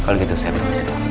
kalau gitu saya paham